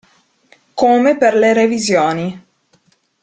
Come per le revisioni.